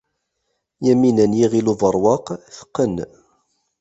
Yamina n Yiɣil Ubeṛwaq teqqen.